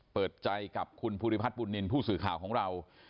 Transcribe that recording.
เปิดใจกับคุณภูริพัฒนบุญนินทร์ผู้สื่อข่าวของเรา